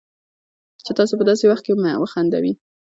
چې تاسو په داسې وخت کې وخندوي